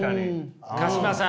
鹿島さん